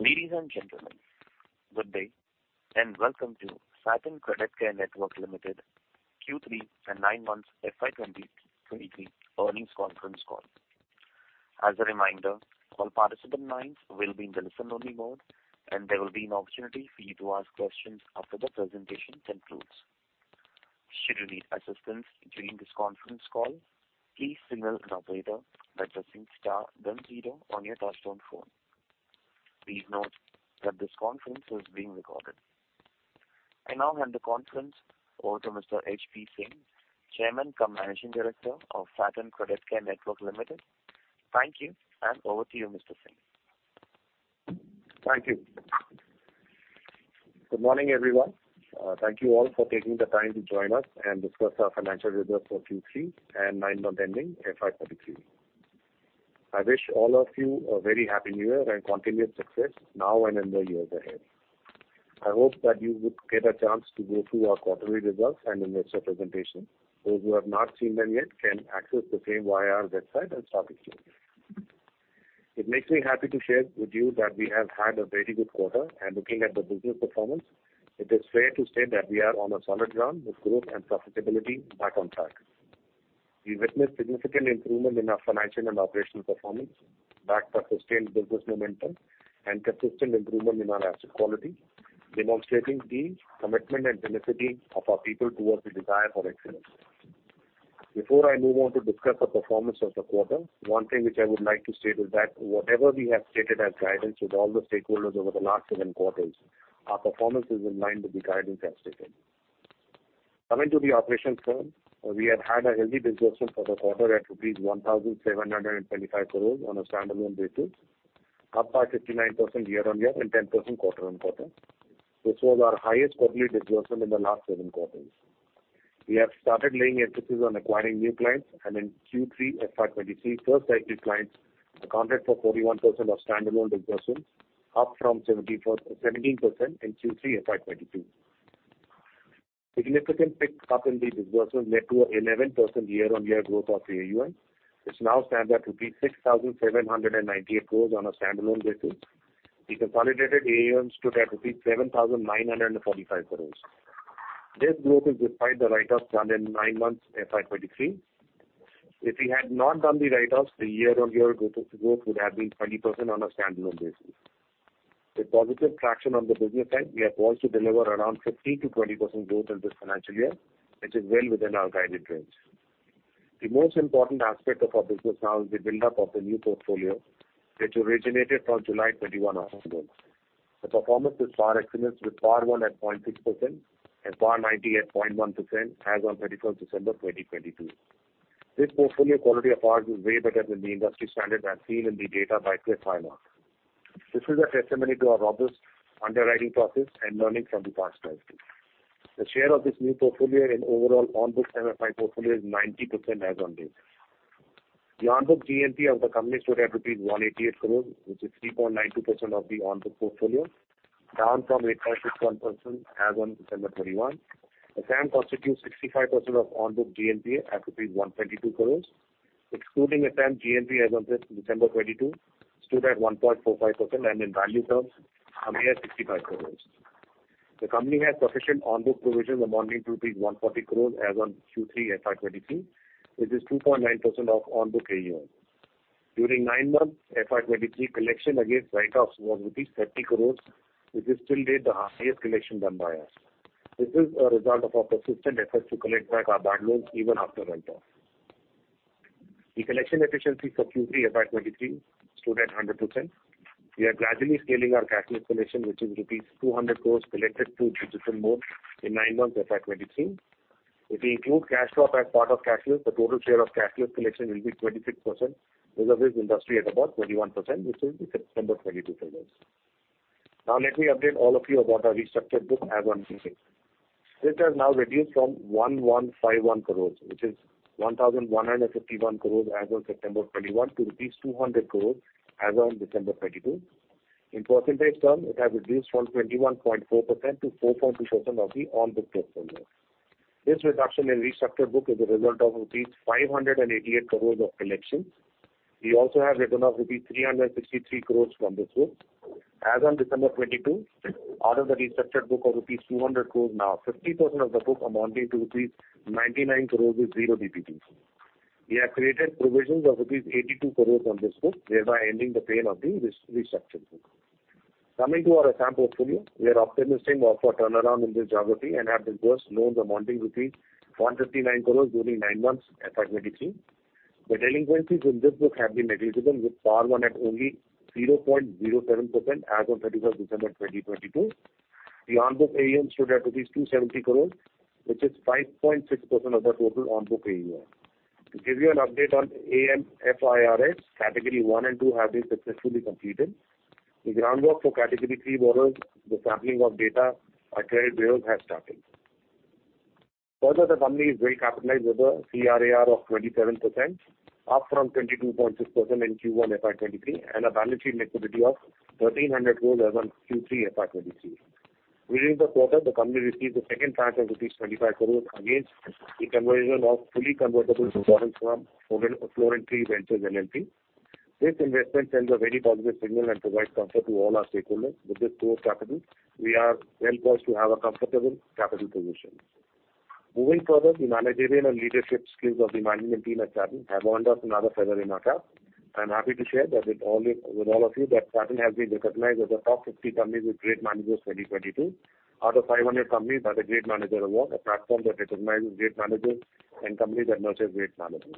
Ladies and gentlemen, good day and welcome to Satin Creditcare Network Limited Q3 and nine months FY2023 earnings conference call. As a reminder, all participant lines will be in the listen-only mode, and there will be an opportunity for you to ask questions after the presentation concludes. Should you need assistance during this conference call, please signal an operator by pressing star then zero on your touchtone phone. Please note that this conference is being recorded. I now hand the conference over to Mr. H.P. Singh, Chairman cum Managing Director of Satin Creditcare Network Limited. Thank you, and over to you, Mr. Singh. Thank you. Good morning, everyone. Thank you all for taking the time to join us and discuss our financial results for Q3 and nine month ending FY 2023. I wish all of you a very happy new year and continued success now and in the years ahead. I hope that you would get a chance to go through our quarterly results and investor presentation. Those who have not seen them yet can access the same via our website at Satin Creditcare. It makes me happy to share with you that we have had a very good quarter, and looking at the business performance, it is fair to say that we are on a solid ground with growth and profitability back on track. We witnessed significant improvement in our financial and operational performance, backed by sustained business momentum and consistent improvement in our asset quality, demonstrating deep commitment and tenacity of our people towards the desire for excellence. Before I move on to discuss the performance of the quarter, one thing which I would like to state is that whatever we have stated as guidance with all the stakeholders over the last seven quarters, our performance is in line with the guidance as stated. We have had a healthy disbursement for the quarter at rupees 1,725 crores on a standalone basis, up by 59% year-on-year and 10% quarter-on-quarter, which was our highest quarterly disbursement in the last seven quarters. We have started laying emphasis on acquiring new clients, and in Q3 FY23, first-time new clients accounted for 41% of standalone disbursements, up from 17% in Q3 FY22. Significant pick up in the disbursements led to a 11% year-on-year growth of AUM, which now stands at 6,798 crores on a standalone basis. The consolidated AUM stood at 7,945 crores. This growth is despite the write-ups done in nine months FY23. If we had not done the write-offs, the year-on-year growth would have been 20% on a standalone basis. With positive traction on the business side, we are poised to deliver around 15%-20% growth in this financial year, which is well within our guided range. The most important aspect of our business now is the build-up of the new portfolio, which originated from July 2021 onwards. The performance is par excellence with PAR 1 at 0.6% and PAR 90 at 0.1% as on December 31, 2022. This portfolio quality of ours is way better than the industry standard as seen in the data by CARE Ratings. This is a testimony to our robust underwriting process and learning from the past mistakes. The share of this new portfolio in overall on-book MFI portfolio is 90% as on date. The on-book GNPA of the company stood at rupees 188 crores, which is 3.92% of the on-book portfolio, down from 8.61% as on December 2021. Assam constitutes 65% of on-book GNPA at 122 crores. Excluding Assam, GNPA as on December 2022 stood at 1.45%, and in value terms, coming at 65 crores. The company has sufficient on-book provisions amounting to 140 crores as on Q3 FY 2023, which is 2.9% of on-book AUM. During nine months FY 2023, collection against write-offs was rupees 30 crores, which is till date the highest collection done by us. This is a result of our persistent efforts to collect back our bad loans even after write-off. The collection efficiency for Q3 FY 2023 stood at 100%. We are gradually scaling our cashless collection, which is rupees 200 crores collected through digital mode in nine months FY 2023. If we include cash drop as part of cashless, the total share of cashless collection will be 26% versus industry at about 21%, which is the September 2022 figures. Let me update all of you about our restructured book as on Q3. This has now reduced from 1,151 crores, which is 1,151 crores as on September 2021 to rupees 200 crores as on December 2022. In percentage terms, it has reduced from 21.4% to 4.2% of the on-book portfolio. This reduction in restructured book is a result of rupees 588 crores of collections. We also have written off rupees 363 crores from this book. As on December 22, out of the restructured book of rupees 200 crores now, 50% of the book amounting to rupees 99 crores is 0 DPD. We have created provisions of rupees 82 crores on this book, thereby ending the pain of the restructured book. Coming to our Assam portfolio, we are optimistic of a turnaround in this geography and have dispersed loans amounting 159 crores during nine months FY 2023. The delinquencies in this book have been negligible, with PAR 1 at only 0.07% as on 31st December 2022. The on-book AUM stood at 270 crores, which is 5.6% of the total on-book AUM. To give you an update on AMFIRS, Category one and two have been successfully completed. The groundwork for Category three borrowers, the sampling of data by CARE Ratings has started. The company is well capitalized with a CRAR of 27%, up from 22.6% in Q1 FY23, and a balance sheet liquidity of 1,300 crore as on Q3 FY23. Within the quarter, the company received the second tranche of INR 25 crore against the conversion of fully convertible loans from FlorinTree Ventures LLP. This investment sends a very positive signal and provides comfort to all our stakeholders. With this core capital, we are well-posed to have a comfortable capital position. The managerial and leadership skills of the management team at Satin have earned us another feather in our cap. I'm happy to share that with all of you that Satin has been recognized as a top 50 company with Great Managers 2022 out of 500 companies at the Great Manager Awards, a platform that recognizes great managers and companies that nurture great managers.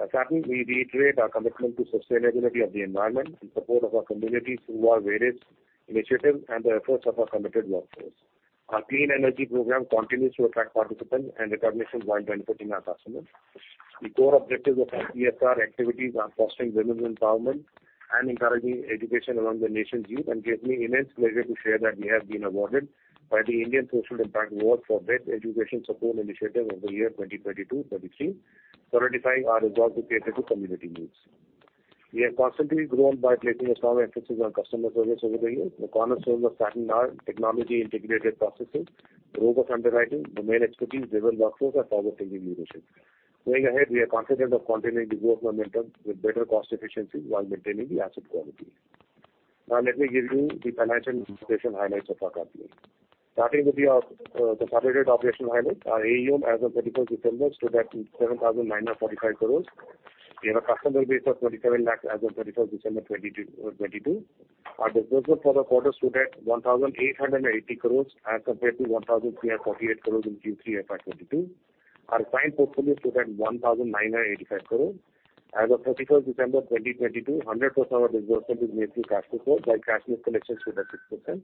At Satin, we reiterate our commitment to sustainability of the environment in support of our communities through our various initiatives and the efforts of our committed workforce. Our clean energy program continues to attract participants and recognition while benefiting our customers. The core objectives of our CSR activities are fostering women's empowerment and encouraging education among the nation's youth, and gives me immense pleasure to share that we have been awarded by the Indian Social Impact Award for Best Education Support Initiative of the Year 2022-23, solidifying our resolve to cater to community needs. We have constantly grown by placing a strong emphasis on customer service over the years. The cornerstones of Satin are technology-integrated processes, robust underwriting, domain expertise, agile workforce, and forward-thinking leadership. We are confident of continuing the growth momentum with better cost efficiency while maintaining the asset quality. Let me give you the financial institution highlights of our company. Starting with the saturated operational highlights. Our AUM as of 31st December stood at 7,945 crores. We have a customer base of 27 lakh as of 31st December 2022. Our disbursements for the quarter stood at 1,880 crores as compared to 1,348 crores in Q3 FY 2022. Our client portfolio stood at 1,985 crores. As of 31st December 2022, 100% of our disbursement is made through cashless mode while cashless collections stood at 6%.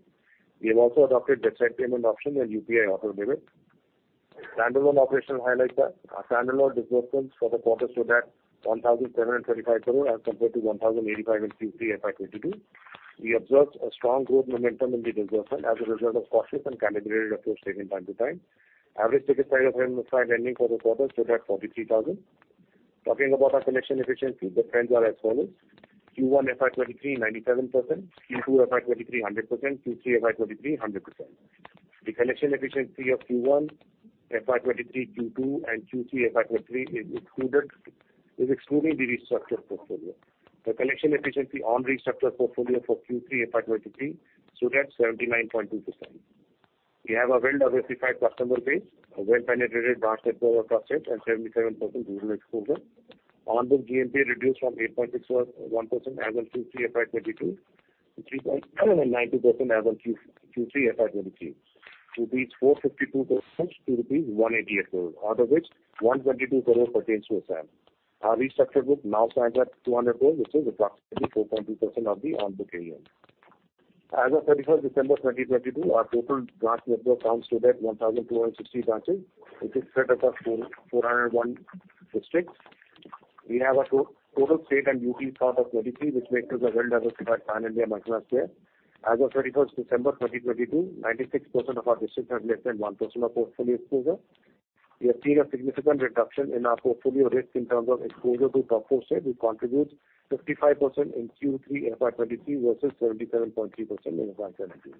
We have also adopted debt side payment option and UPI auto debit. Standalone operational highlights are, our standalone disbursements for the quarter stood at 1,735 crore as compared to 1,085 crore in Q3 FY22. We observed a strong growth momentum in the disbursement as a result of cautious and calibrated approach taken time to time. Average ticket size of our MSME lending for this quarter stood at 43,000. Talking about our collection efficiency, the trends are as follows: Q1 FY23, 97%, Q2 FY23, 100%, Q3 FY23, 100%. The collection efficiency of Q1 FY23, Q2 and Q3 FY23 is excluding the restructured portfolio. The collection efficiency on restructured portfolio for Q3 FY23 stood at 79.2%. We have a well-diversified customer base, a well-penetrated branch network of six and 77% regional exposure. On-book GNPA reduced from 8.61% as of Q3 FY22 to 3.90% as of Q3 FY23, to reach 452% to rupees 188 crores, out of which 122 crores pertains to Assam. Our restructured book now stands at 200 crores, which is approximately 4.2% of the on-book AUM. As of 31st December 2022, our total branch network count stood at 1,260 branches, which is spread across 401 districts. We have a total state and UT count of 23, which makes us a well-diversified pan-India microfinance player. As of 31st December 2022, 96% of our districts have less than 1% of portfolio exposure. We have seen a significant reduction in our portfolio risk in terms of exposure to top core state, which contributes 55% in Q3 FY23 versus 77.3% in FY22.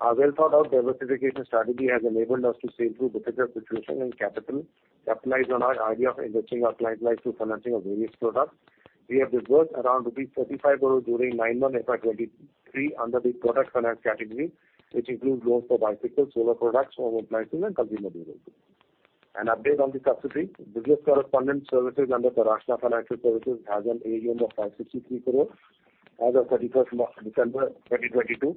Our well-thought-out diversification strategy has enabled us to sail through difficult situations and capitalize on our idea of enriching our client life through financing of various products. We have dispersed around INR 35 crore during nine months FY23 under the product finance category, which includes loans for bicycles, solar products, home appliances and consumer durables. An update on the subsidy. Business correspondent services under Taraashna Financial Services has an AUM of 563 crore. As of December 31, 2022,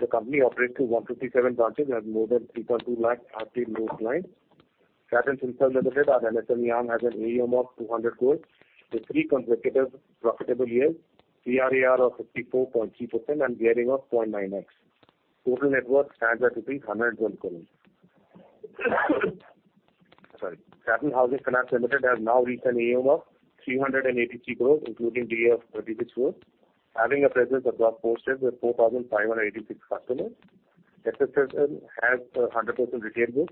the company operates through 157 branches and has more than 3.2 lakh active loan clients. Satin Finserv Limited, our SFL arm, has an AUM of 200 crore with three consecutive profitable years, CRAR of 54.3% and gearing of 0.9x. Total network stands at INR 101 crore. Sorry. Satin Housing Finance Limited has now reached an AUM of 383 crore, including DA of 36 crore. Having a presence across four states with 4,586 customers. SSSL has a 100% retail book.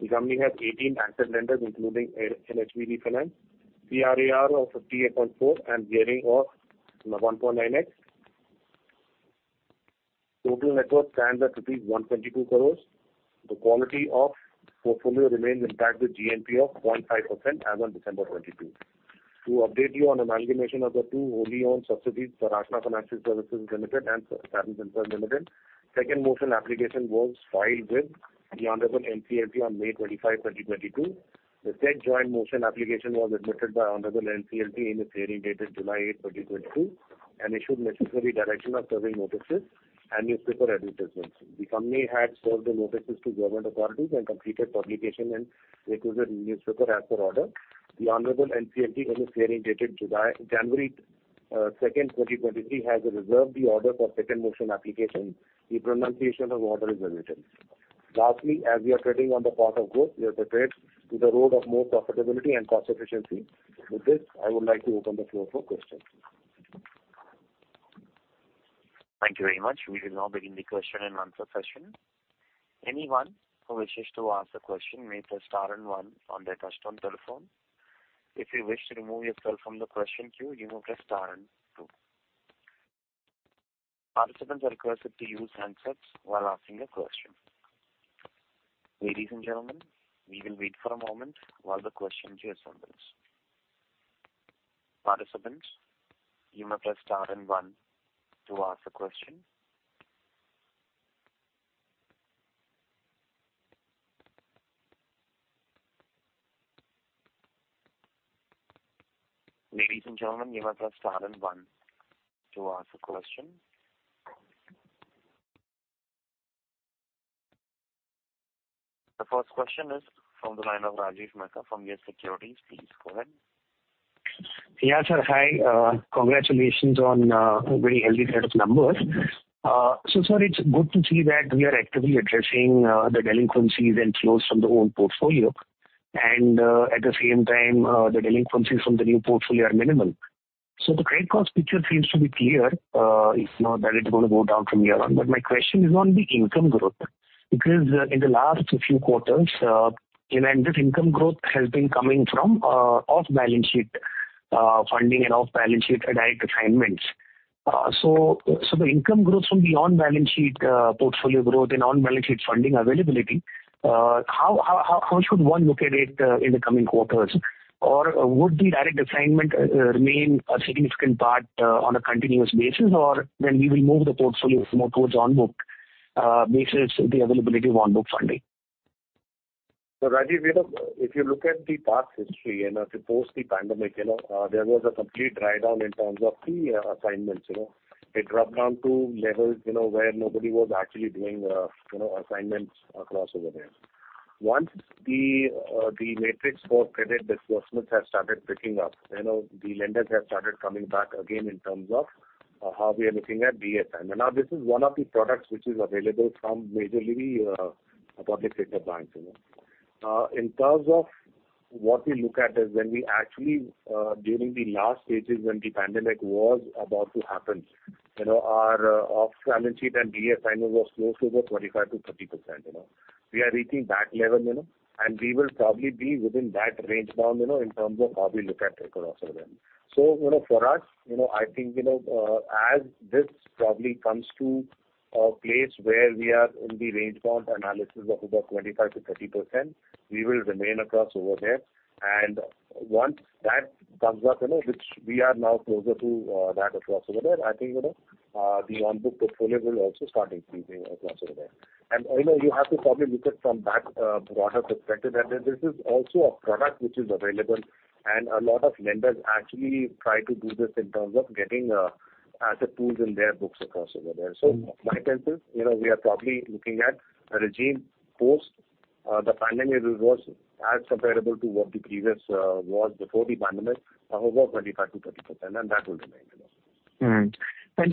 The company has 18 asset lenders, including National Housing Bank, CRAR of 58.4% and gearing of 1.9x. Total network stands at 122 crore. The quality of portfolio remains intact with GNPA of 0.5% as on December 2022. To update you on amalgamation of the two wholly-owned subsidiaries, Taraashna Financial Services Limited and Satin Finserv Limited, second motion application was filed with the Honorable NCLT on May 25, 2022. The said joint motion application was admitted by Honorable NCLT in its hearing dated July 8, 2022, and issued necessary direction of serving notices and newspaper advertisements. The company had served the notices to government authorities and completed publication in reputed newspaper as per order. The Honorable NCLT in its hearing dated January 2, 2023, has reserved the order for second motion application. The pronunciation of order is awaited. Lastly, as we are treading on the path of growth, we are prepared to the road of more profitability and cost efficiency. With this, I would like to open the floor for questions. Thank you very much. We will now begin the question and answer session. Anyone who wishes to ask a question may press star and one on their touch-tone telephone. If you wish to remove yourself from the question queue, you may press star and two. Participants are requested to use handsets while asking a question. Ladies and gentlemen, we will wait for a moment while the questions assemble. Participants, you may press star and one to ask a question. Ladies and gentlemen, you may press star and one to ask a question. The first question is from the line of Rajiv Mehta from YES Securities. Please go ahead. Yeah, sir. Hi. Congratulations on a very healthy set of numbers. Sir, it's good to see that we are actively addressing the delinquencies and flows from the old portfolio and at the same time, the delinquencies from the new portfolio are minimal. The credit cost picture seems to be clear, if not that it's gonna go down from here on. My question is on the income growth, because in the last few quarters, you know, this income growth has been coming from off-balance sheet funding and off-balance sheet direct assignments. The income growth from the on-balance sheet portfolio growth and on-balance sheet funding availability, how should one look at it in the coming quarters? Would the direct assignment remain a significant part on a continuous basis or when we will move the portfolio more towards on-book basis the availability of on-book funding? Rajiv, you know, if you look at the past history and suppose the pandemic, you know, there was a complete dry down in terms of the assignments, you know. It dropped down to levels, you know, where nobody was actually doing, you know, assignments across over there. Once the matrix for credit disbursements has started picking up, you know, the lenders have started coming back again in terms of how we are looking at DSN. This is one of the products which is available from majorly public sector banks, you know. In terms of what we look at is when we actually during the last stages when the pandemic was about to happen, you know, our off-balance sheet and reassignments was close to about 25%-30%. You know? We are reaching that level, you know, and we will probably be within that range bound, you know, in terms of how we look at it across over there. You know, for us, you know, I think, you know, as this probably comes to a place where we are in the range bound analysis of about 25%-30%, we will remain across over there. Once that comes up, you know, which we are now closer to, that across over there, I think, you know, the on-book portfolio will also start increasing across over there. You know, you have to probably look at from that broader perspective, that this is also a product which is available and a lot of lenders actually try to do this in terms of getting asset pools in their books across over there. Mm-hmm. my sense is, you know, we are probably looking at a regime post the pandemic was as comparable to what the previous, was before the pandemic, about 25%-30%, and that will remain, you know.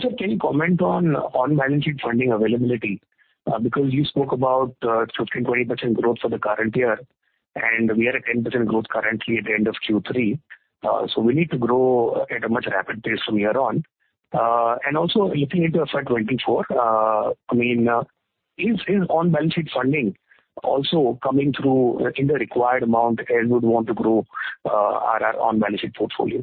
Sir, can you comment on on-balance sheet funding availability? Because you spoke about 15%-20% growth for the current year, and we are at 10% growth currently at the end of Q3. We need to grow at a much rapid pace from here on. Also looking into FY 2024, I mean, is on-balance sheet funding also coming through in the required amount as you would want to grow our on-balance sheet portfolio?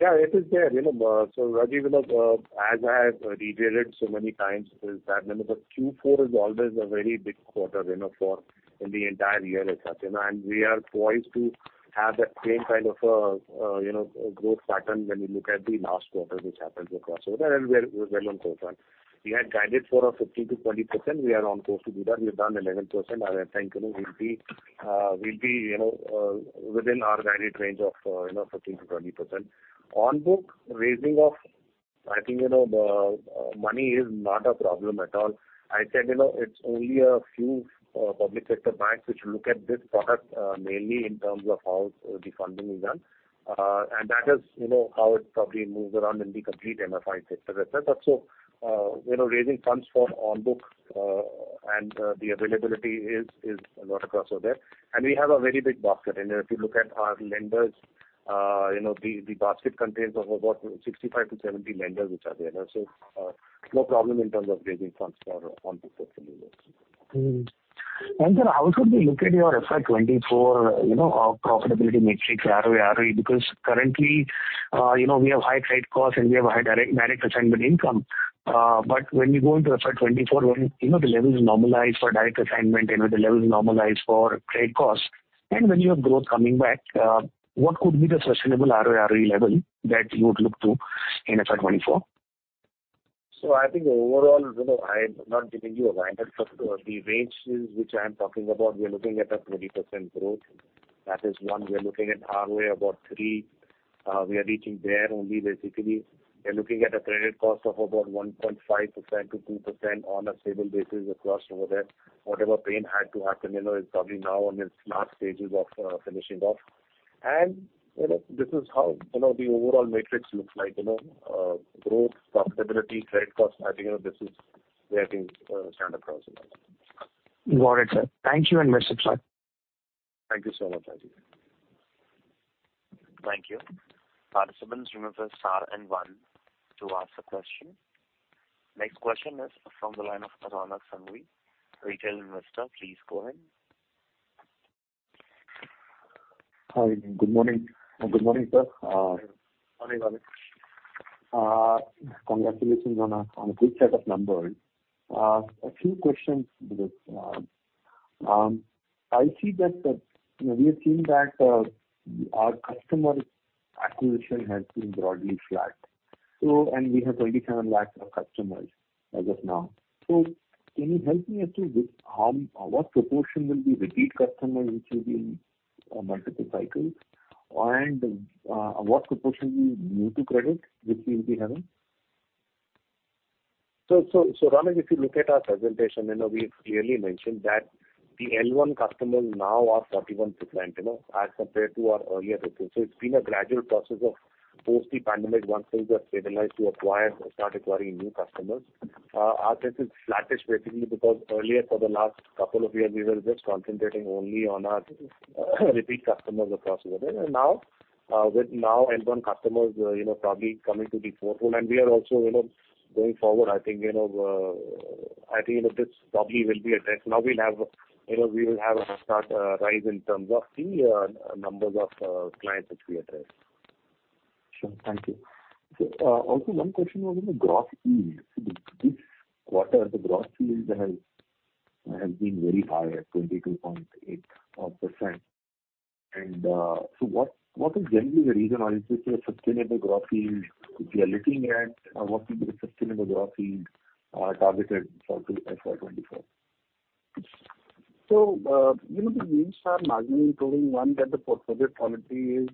It is there. You know, Rajiv, you know, as I have reiterated so many times is that, you know, the Q4 is always a very big quarter, you know, for in the entire year as such, you know, and we are poised to have that same kind of, you know, growth pattern when we look at the last quarter which happened across over there and we're well on course on. We had guided for a 15%-20%. We are on course to do that. We have done 11%. I think, you know, we'll be you know, within our guided range of, you know, 15%-20%. On book raising of, I think, you know, money is not a problem at all. I said, you know, it's only a few public sector banks which look at this product, mainly in terms of how the funding is done. That is, you know, how it probably moves around in the complete MFI sector itself. You know, raising funds for on-book, and the availability is a lot across over there. We have a very big basket. If you look at our lenders, you know, the basket contains of about 65-70 lenders which are there. No problem in terms of raising funds for on-book portfolio. Sir, how should we look at your FY 2024, you know, profitability metrics, ROE? Currently, you know, we have high credit costs and we have high direct assignment income. When we go into FY 2024, when, you know, the levels normalize for direct assignment, you know, the levels normalize for credit costs, and when you have growth coming back, what could be the sustainable ROE level that you would look to in FY 2024? I think overall, you know, I'm not giving you a guidance. The ranges which I'm talking about, we are looking at a 20% growth. That is one. We are looking at ROE about three. We are reaching there only basically. We are looking at a credit cost of about 1.5%-2% on a stable basis across over there. Whatever pain had to happen, you know, is probably now on its last stages of finishing off. You know, this is how, you know, the overall matrix looks like, you know. Growth, profitability, credit cost, I think, you know, this is where things stand across over there. Got it, sir. Thank you, and best of luck. Thank you so much, Rajiv. Thank you. Participants, remember star and one to ask the question. Next question is from the line of Rana Sanghavi, retail investor. Please go ahead. Hi, good morning. Good morning, sir. Morning, Rana. Congratulations on a good set of numbers. A few questions with, I see that, you know, we have seen that our customer acquisition has been broadly flat. And we have 27 lakhs of customers as of now. Can you help me as to which, what proportion will be repeat customers, which will be in multiple cycles and, what proportion will be new to credit, which we'll be having? Rana, if you look at our presentation, you know, we've clearly mentioned that the L1 customers now are 41%, you know, as compared to our earlier reports. It's been a gradual process of post the pandemic, once things are stabilized to acquire or start acquiring new customers. Our test is flattish basically because earlier for the last couple of years, we were just concentrating only on our repeat customers across the board. Now, with now L1 customers, you know, probably coming to the forefront and we are also, you know, going forward, I think, you know, this probably will be addressed. Now we'll have, you know, we will have a start, rise in terms of the numbers of clients which we address. Sure. Thank you. One question was on the gross yield. This quarter, the gross yield has been very high at 22.8%. What is generally the reason or is this a sustainable gross yield which we are looking at? What will be the sustainable gross yield targeted for FY24? You know, the yields are marginally improving. One, that the portfolio quality is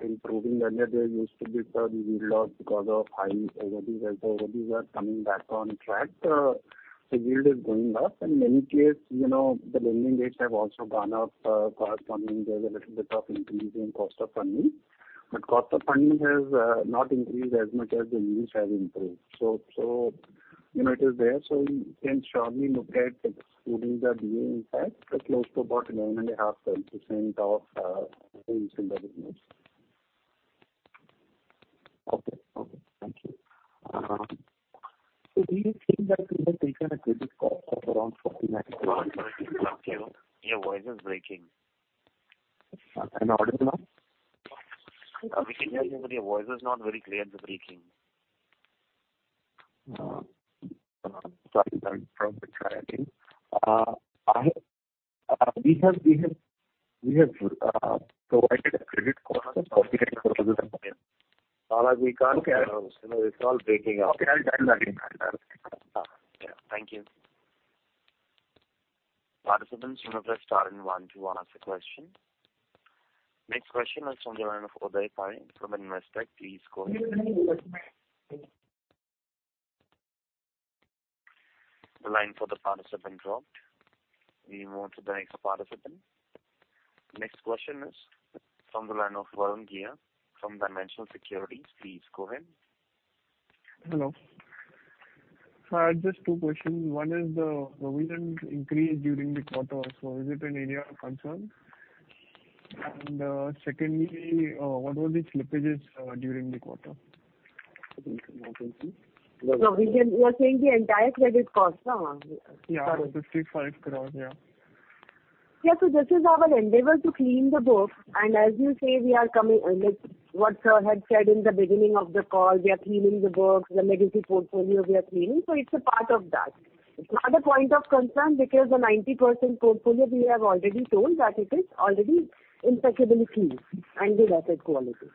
improving. Earlier there used to be some yield loss because of high overdue. As the overdue are coming back on track, the yield is going up. In many case, you know, the lending rates have also gone up, corresponding. There's a little bit of increase in cost of funding. Cost of funding has not increased as much as the yields have improved. You know, it is there. We can surely look at the yields are being at close to about 9.5%, 10% of yields in the business. Okay. Okay. Thank you. Do you think that we have taken a credit cost of around? Rana, your voice is breaking. Am I audible now? We can hear you, but your voice is not very clear. It's breaking. sorry about it. Let me try again. We have provided a credit cost of 49- Rana, we can't hear you. You know, it's all breaking up. Okay. I'll dial back in. Yeah. Thank you. Participants, you may press star one to ask a question. Next question is on the line of Uday Pai from Investec. Please go ahead. The line for the participant dropped. We move to the next participant. Next question is from the line of Varun Ghiya from Dimensional Securities. Please go ahead. Hello. I have just two questions. One is the provisions increase during the quarter. Is it an area of concern? Secondly, what were the slippages during the quarter? Provisions, you can see. No, you are saying the entire credit cost, no? Yeah. INR 65 crore. Yeah. Yeah. This is our endeavor to clean the book. As you say, we are coming, like what sir had said in the beginning of the call, we are cleaning the books, the legacy portfolio we are cleaning. It's a part of that. It's not a point of concern because the 90% portfolio we have already told that it is already impeccably clean and good asset quality.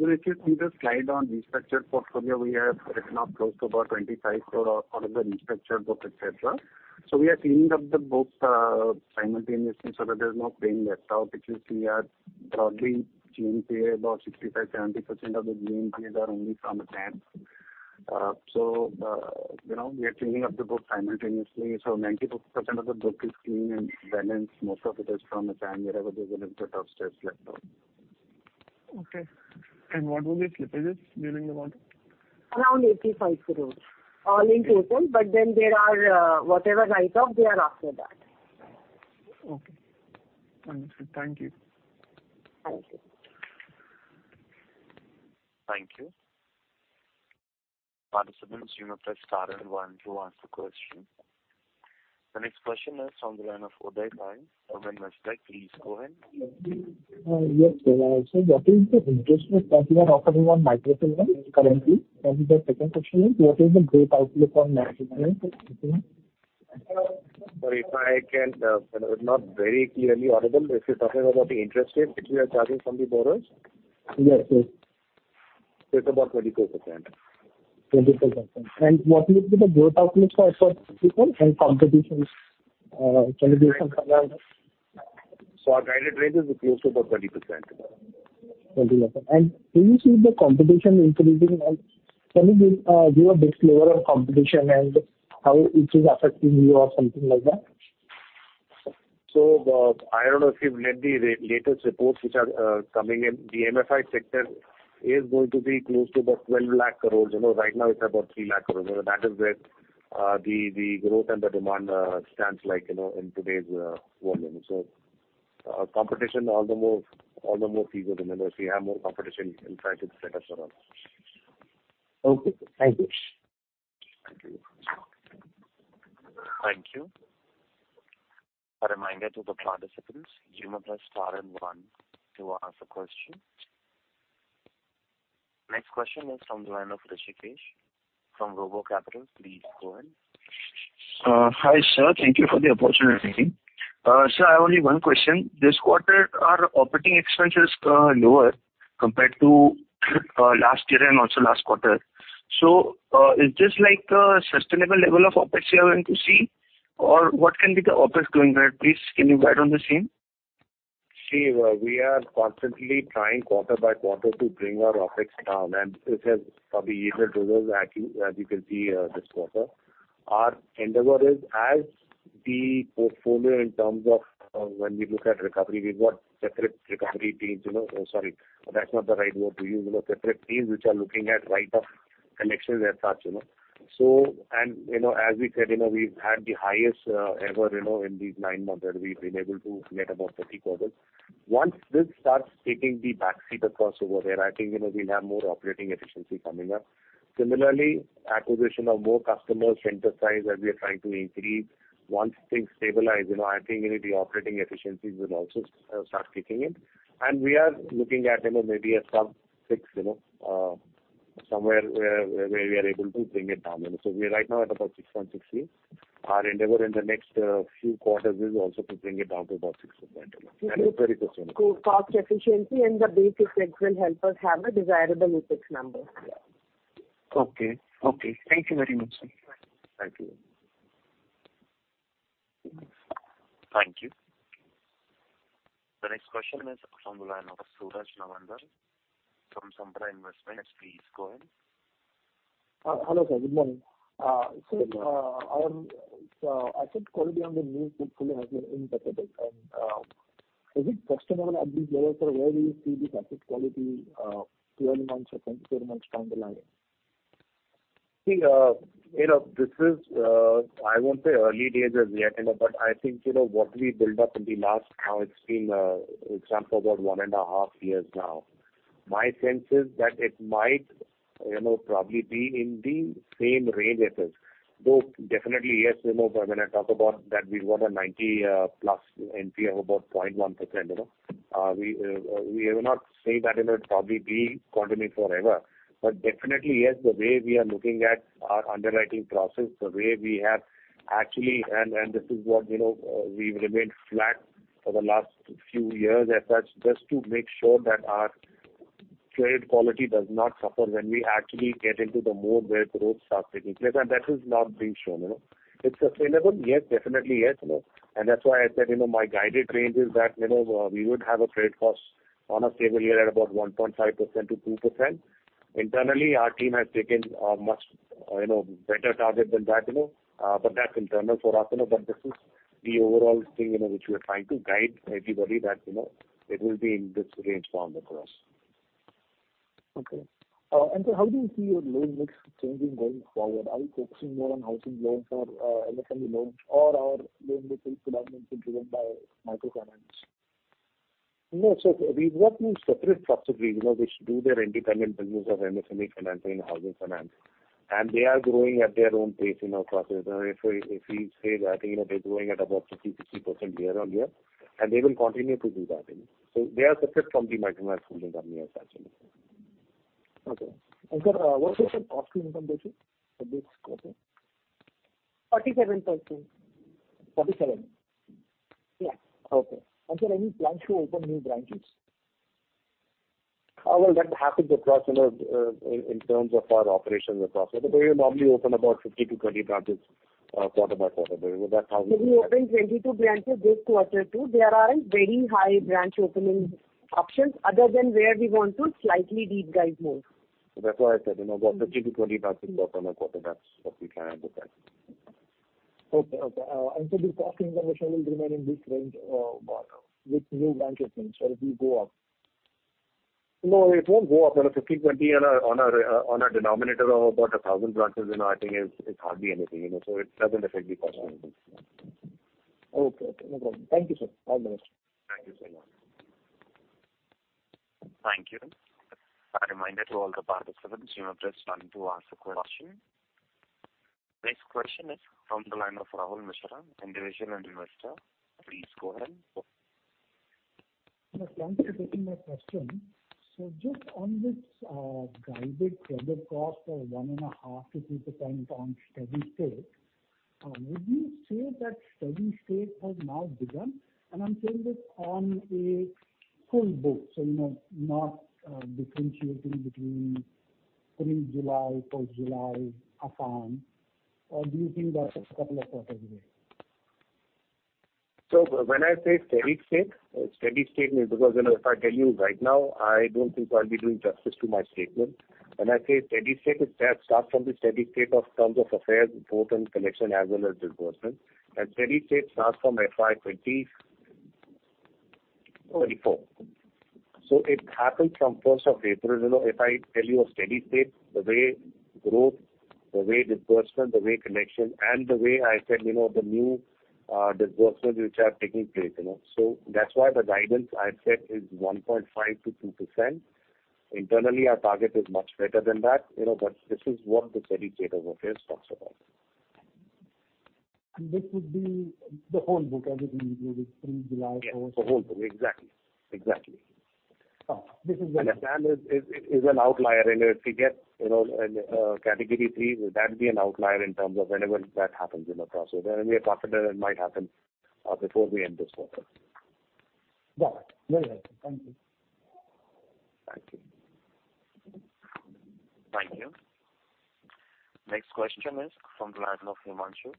If you see the slide on restructured portfolio, we have written off close to about 25 crore out of the restructured book, et cetera. We are cleaning up the books simultaneously so that there's no paying left out, because we are broadly GNPA, about 65%, 70% of the GNPA are only from the Punjab. you know, we are cleaning up the book simultaneously. 90% of the book is clean and balanced. Most of it is from the Punjab, wherever there's a little bit of stress left out. Okay. What were the slippages during the quarter? Around 85 crores all in total, but then there are whatever write off, they are after that. Okay. Understood. Thank you. Thank you. Thank you. Participants, you may press star and one to ask a question. The next question is on the line of Uday Pai from Investec. Please go ahead. Yes. What is the interest rate that you are offering on microfinance currently? The second question is, what is the growth outlook on microfinance? Sorry if I can, you know, not very clearly audible, but if you're talking about the interest rate which we are charging from the borrowers. Yes, yes. It's about 24%. 24%. What will be the growth outlook for microfinance and competition from others? Our guided range is close to about 20%. 20%. Do you see the competition increasing at... Can you give a brief flavor of competition and how it is affecting you or something like that? I don't know if you've read the latest reports which are coming in. The MFI sector is going to be close to about 12 lakh crores. You know, right now it's about 3 lakh crores. You know, that is where the growth and the demand stands like, you know, in today's volume. Competition all the more, all the more feasible. You know, if you have more competition, you can try to set up your own. Okay, thank you. Thank you. Thank you. A reminder to the participants, zero plus star and one to ask a question. Next question is from the line of Rishikesh from RoboCapital. Please go ahead. Hi, sir. Thank you for the opportunity. Sir, I have only one question. This quarter, our operating expenses are lower compared to last year and also last quarter. Is this like a sustainable level of OpEx here going to see? What can be the OpEx going ahead? Please can you guide on the same? We are constantly trying quarter by quarter to bring our OpEx down, and this has probably yielded results actually, as you can see, this quarter. Our endeavor is as the portfolio in terms of when we look at recovery, we've got separate recovery teams, you know. Oh, sorry, that's not the right word to use. You know, separate teams which are looking at write off and actual as such, you know. As we said, you know, we've had the highest ever, you know, in these nine months where we've been able to get about 30 quarters. Once this starts taking the back seat across over there, I think, you know, we'll have more operating efficiency coming up. Acquisition of more customers, center size as we are trying to increase. Once things stabilize, I think, the operating efficiencies will also start kicking in. We are looking at maybe a sub six, somewhere where we are able to bring it down. We're right now at about 6.68. Our endeavor in the next few quarters is also to bring it down to about six. Good cost efficiency and the basic mix will help us have a desirable OpEx number. Okay. Okay. Thank you very much, sir. Thank you. Thank you. The next question is from the line of Suraj Navandar from Sampradaya Investments. Please go ahead. Hello, sir. Good morning. Good morning. I think quality on the news hopefully has been interpreted. Is it questionable at this level, sir, where do you see the asset quality, 12 months or 24 months down the line? See, you know, this is, I won't say early days as yet, you know, but I think, you know, what we built up in the last, how it's been, it's gone for about 1.5 years now. My sense is that it might, you know, probably be in the same range it is. Definitely, yes, you know, when I talk about that we've got a 90+ NP of about 0.1%, you know. We will not say that it'll probably be continuing forever. Definitely, yes, the way we are looking at our underwriting process, the way we have actually... This is what, you know, we've remained flat for the last few years as such, just to make sure that our trade quality does not suffer when we actually get into the mode where growth starts taking place. That is now being shown, you know. It's sustainable? Yes, definitely yes, you know. That's why I said, you know, my guided range is that, you know, we would have a trade cost on a stable year at about 1.5%-2%. Internally, our team has taken a much, you know, better target than that, you know, but that's internal for us, you know. This is the overall thing, you know, which we're trying to guide everybody that, you know, it will be in this range form across. How do you see your loan mix changing going forward? Are you focusing more on housing loans or MSME loans or are loan mix predominantly driven by microfinance? No. We work in separate subsidiaries, you know, which do their independent business of MSME financing and housing finance. They are growing at their own pace, you know, across. If we, if we say that, you know, they're growing at about 50%, 60% year on year, and they will continue to do that. They are separate from the microfinance funding company as such. Okay. Sir, what was the cost-to-income ratio for this quarter? 47%. Forty-seven? Yeah. Okay. Sir, any plans to open new branches? Well, that happens across, you know, in terms of our operations across. We normally open about 50 to 20 branches, quarter by quarter. We opened 22 branches this quarter too. There are very high branch opening options other than where we want to slightly deep dive more. That's why I said, you know, about 50-20 branches quarter-on-quarter. That's what we plan to open. Okay. The cost-income ratio will remain in this range, with new branch openings, or it will go up? It won't go up. You know, 50, 20 on a, on a, on a denominator of about 1,000 branches, you know, I think it's hardly anything, you know, so it doesn't affect the cost-income. Okay. Okay. No problem. Thank you, sir. All the best. Thank you so much. Thank you. A reminder to all the participants, you may press one to ask a question. Next question is from the line of Rahul Mishra, Individual Investor. Please go ahead. Yes, thanks for taking my question. Just on this guided credit cost of 1.5%-2% on steady state, would you say that steady state has now begun? I'm saying this on a full boat so, you know, not differentiating between pre July, post July, apart. Do you think that's a couple of quarters away? When I say steady state means. You know, if I tell you right now, I don't think I'll be doing justice to my statement. When I say steady state, it does start from the steady state of terms of affairs, both in collection as well as disbursement. Steady state starts from FY 2024. It happened from 1st of April. You know, if I tell you a steady state, the way growth, the way disbursement, the way collection, and the way I said, you know, the new disbursements which are taking place, you know. That's why the guidance I've said is 1.5% to 2%. Internally, our target is much better than that, you know. This is what the steady state over here talks about. This would be the whole book, everything included from July fourth? Yes, the whole book. Exactly. Exactly. Oh, this is the- The plan is an outlier and if we get, you know, category three, will that be an outlier in terms of whenever that happens in the process? We are confident it might happen before we end this quarter. Got it. Very well. Thank you. Thank you. Thank you. Next question is from the line of Himanshu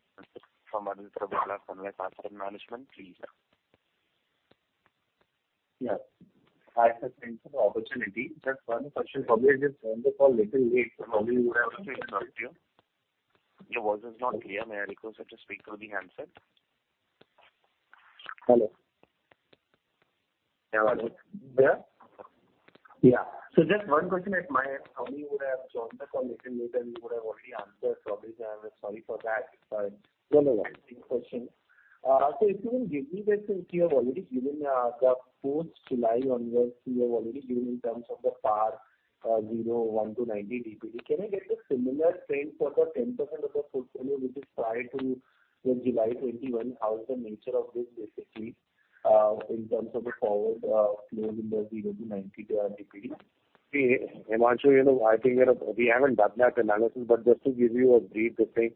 from Edelweiss Asset Management. Please go ahead. Hi, sir. Thanks for the opportunity. Just one question. Probably I just joined the call little late, so probably you would have already answered here. Your voice is not clear. May I request you to speak through the handset? Hello. Can you hear me? Yeah. Just one question at my end. Probably you would have joined the call little later, you would have already answered probably. I'm sorry for that. No, no, worry. Repeating question. If you can give me, basically you have already given the post-July numbers you have already given in terms of the PAR 01 to 90 DPD. Can I get the similar trends for the 10% of the portfolio which is prior to July 2021? How is the nature of this basically in terms of the forward flows in the 0 to 90 DPD? See, Himanshu, you know, I think, you know, we haven't done that analysis. Just to give you a brief briefing,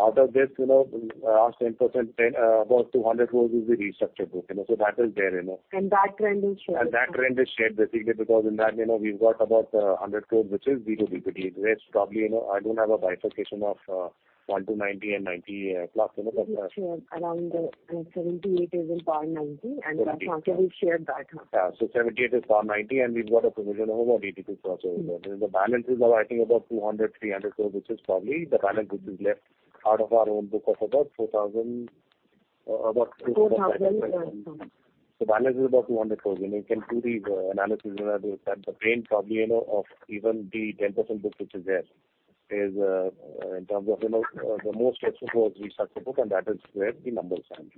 out of this, you know, 10%, about 200 crores is the restructured book, you know. That is there, you know. That trend is shared. That trend is shared basically because in that, you know, we've got about 100 crores which is 0 DPD. The rest probably, you know, I don't have a bifurcation of 1 to 90 and 90 plus, you know. Around, 78 is in PAR 90 and that's what we shared that. Yeah. 78 is par 90, we've got a provision of about 82 crores over there. The balance is now I think about 200-300 crores, which is probably the balance which is left out of our own book of about 4,000 crores. 4,000. The balance is about 200 crores. You know, you can do the analysis and add those. The pain probably, you know, of even the 10% book which is there is in terms of, you know, the more stressful for us restructured book, and that is where the numbers stand.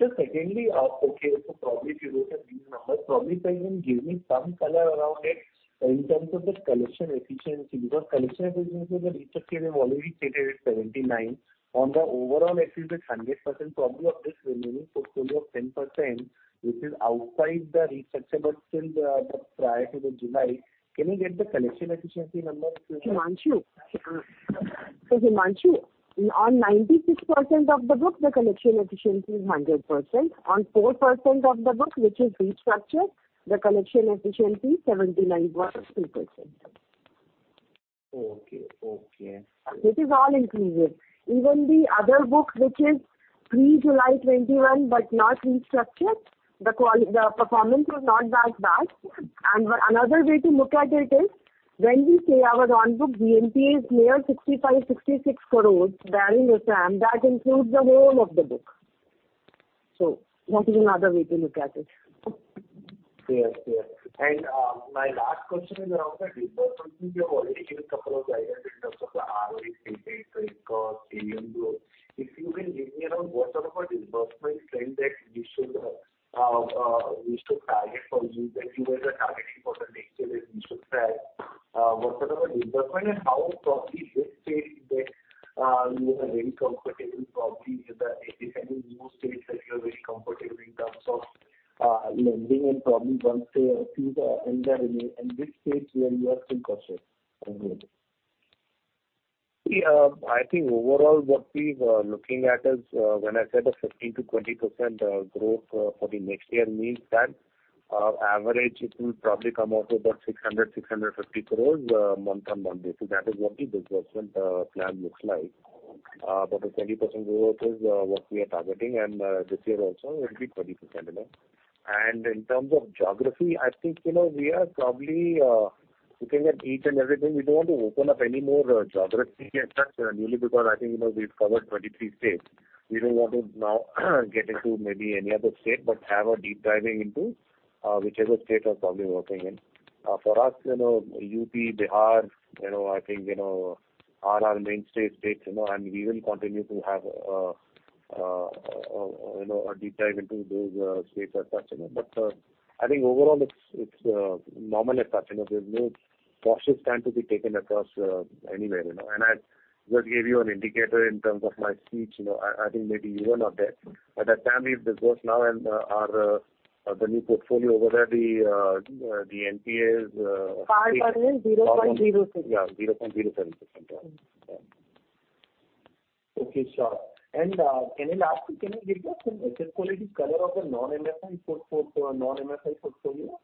Just secondly, so probably if you look at these numbers, probably can you give me some color around it in terms of the collection efficiency? Collection efficiency of the restructured you've already stated is 79. On the overall, actually the 100% probably of this remaining portfolio of 10% which is outside the restructure but still the prior to the July, can we get the collection efficiency numbers please? Himanshu, on 96% of the book the collection efficiency is 100%. On 4% of the book which is restructured, the collection efficiency 79.2%. Okay. Okay. It is all inclusive. Even the other book which is pre July 21 but not restructured, the performance is not that bad. Another way to look at it is when we say our on book GNPA is near 65-66 crores during the time, that includes the whole of the book. That is another way to look at it. Yes. Yes. My last question is around the disbursements. You've already given couple of guidance in terms of the ROE, CE, GM growth. If you can give me around what sort of a disbursement trend that you should, we should target for you, that you guys are targeting for the next year that we should track, what sort of a disbursement and how probably which states that you are very comfortable in terms of, lending and probably once they are few and which states where you are still cautious on growth? See, I think overall what we're looking at is, when I said a 15%-20% growth for the next year means that average it will probably come out to about 600 crore-650 crore month-on-month basis. That is what the disbursement plan looks like. A 20% growth is what we are targeting, and this year also it'll be 20%, you know. In terms of geography, I think, you know, we are probably looking at each and everything. We don't want to open up any more geography as such newly because I think, you know, we've covered 23 states. We don't want to now get into maybe any other state, but have a deep diving into whichever state we're probably working in. For us, you know, UP, Bihar, you know, I think, you know, are our main states, you know, and we will continue to have a deep dive into those states as such, you know. I think overall it's normal as such, you know. There's no cautious stand to be taken anywhere, you know. I just gave you an indicator in terms of my speech, you know, I think maybe you were not there. But at Tamweeb, the growth now and our the new portfolio over there, the NPAs, PAR part is 0.06. Yeah, 0.06. Yeah. Okay, sure. Can I lastly, can you give the some credit quality color of the non-MFI portfolio?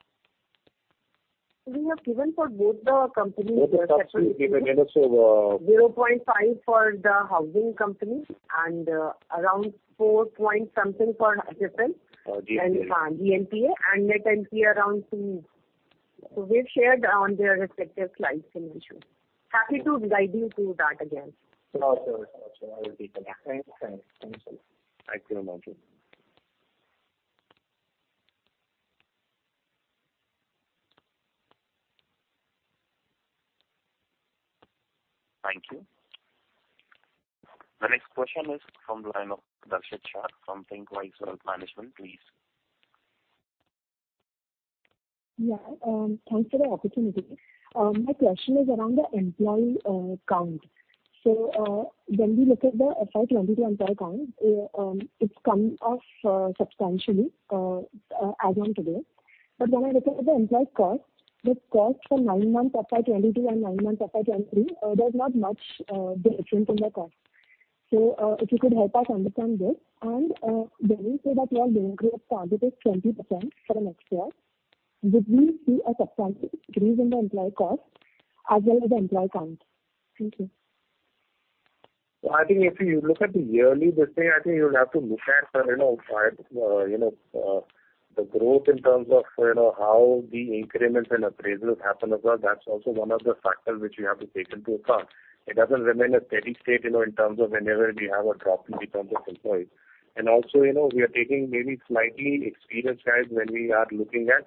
We have given for both the companies. Both are actually given, you know. 0.5 for the housing company and around four point something for HSN. GNPA. GNPA and net NPA around two. We've shared on their respective slides, Vinesh. Happy to guide you through that again. Okay. Okay. I will take a look. Yeah. Thanks. Thank you. Thank you very much. Thank you. The next question is from the line of Darshit Shah from Anthink Wise Wealth Management. Please. Yeah. Thanks for the opportunity. My question is around the employee count. When we look at the FY 22 employee count, it's come off substantially as on today. When I look at the employee cost, the cost for nine months FY 22 and nine months FY 23, there's not much difference in the cost. If you could help us understand this. When you say that you are doing a growth target of 20% for the next year, would we see a substantial increase in the employee cost as well as the employee count? Thank you. I think if you look at the yearly this thing, I think you'll have to look at, you know, five, you know, the growth in terms of, you know, how the increments and appraisals happen as well. That's also one of the factors which you have to take into account. It doesn't remain a steady state, you know, in terms of whenever we have a drop in terms of employees. Also, you know, we are taking maybe slightly experienced guys when we are looking at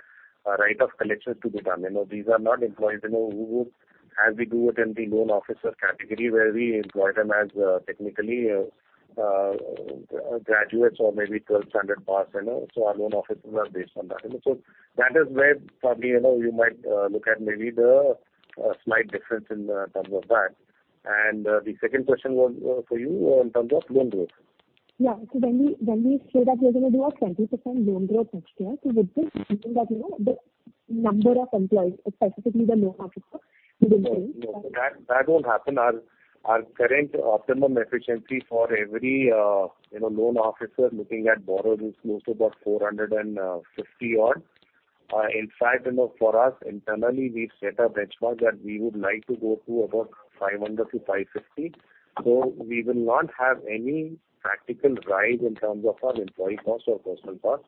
a write-off collections to be done. You know, these are not employees, you know, who would as we do it in the loan officer category, where we employ them as, technically, graduates or maybe twelfth standard pass, you know. Our loan officers are based on that, you know. That is where probably, you know, you might look at maybe the slight difference in terms of that. The second question was for you in terms of loan growth. Yeah. When we say that we're gonna do a 20% loan growth next year, would this mean that, you know, the number of employees, specifically the loan officers, will change? No. No. That, that won't happen. Our current optimum efficiency for every, you know, loan officer looking at borrowers is close to about 450 odd. In fact, you know, for us internally, we've set a benchmark that we would like to go to about 500 to 550. We will not have any practical rise in terms of our employee cost or personal cost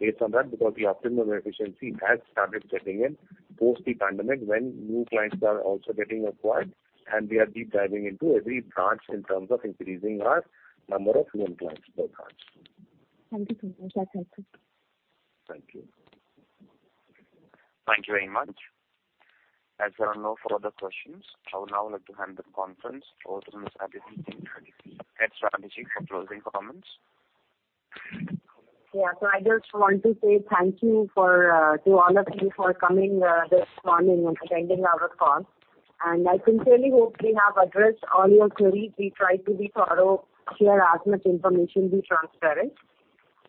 based on that, because the optimum efficiency has started setting in post the pandemic when new clients are also getting acquired and we are deep diving into every branch in terms of increasing our number of loan clients per branch. Thank you so much. That's helpful. Thank you. Thank you very much. As there are no further questions, I would now like to hand the conference over to Ms. Aditi Singh, Head Strategy, for closing comments. Yeah. I just want to say thank you for to all of you for coming this morning and attending our call. I sincerely hope we have addressed all your queries. We tried to be thorough, share as much information, be transparent.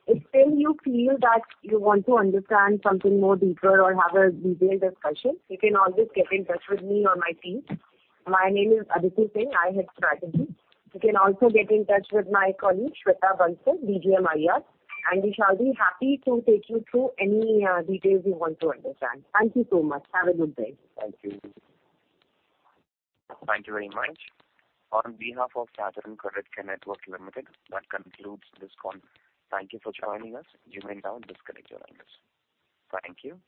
If still you feel that you want to understand something more deeper or have a detailed discussion, you can always get in touch with me or my team. My name is Aditi Singh, I head Strategy. You can also get in touch with my colleague, Shweta Bansal, DGM - Investor Relations, and we shall be happy to take you through any details you want to understand. Thank you so much. Have a good day. Thank you. Thank you very much. On behalf of Satin Creditcare Network Limited, that concludes this con. Thank you for joining us. You may now disconnect your lines. Thank you.